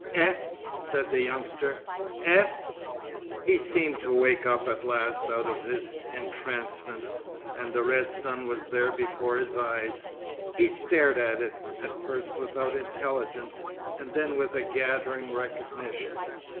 'Eh!' said the youngster. 'Eh!' He seemed to wake up at last out of his entrancement, and the red sun was there before his eyes. He stared at it, at first without intelligence, and then with a gathering recognition.